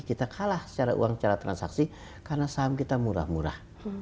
kita kalah secara uang secara transaksi karena saham kita murah murah